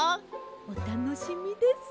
おたのしみです。